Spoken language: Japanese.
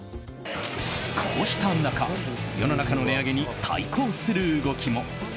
こうした中世の中の値上げに対抗する動きも。